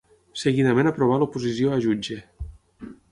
Seguidament aprovà l'oposició a jutge.